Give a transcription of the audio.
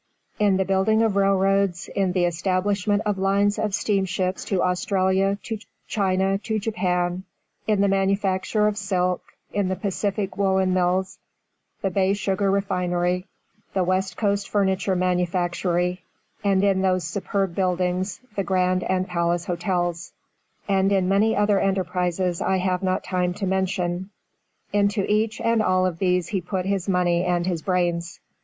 In the building of railroads, in the establishment of lines of steamships to Australia, to China, to Japan; in the manufacture of silk; in the Pacific Woolen Mills, the Bay Sugar Refinery, the West Coast Furniture Manufactory; and in those superb buildings, the Grand and Palace hotels; and in many other enterprises I have not time to mention. Into each and all of these he put his money and his brains."